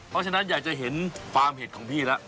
เพราะฉะนั้นอยากจะเห็นฟาร์มเห็ดของพี่แล้ว